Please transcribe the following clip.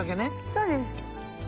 そうです。